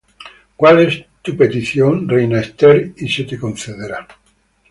¿Cuál es tu petición, reina Esther, y se te concederá?